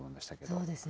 そうですね。